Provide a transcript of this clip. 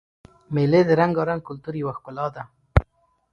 مېلې د رنګارنګ کلتور یوه ښکلا ده.